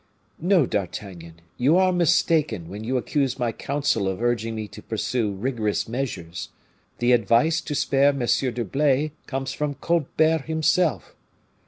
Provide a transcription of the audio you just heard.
"No, D'Artagnan, you are mistaken when you accuse my council of urging me to pursue rigorous measures. The advice to spare M. d'Herblay comes from Colbert himself."